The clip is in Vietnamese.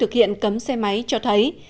thực hiện cấm xe máy cho thấy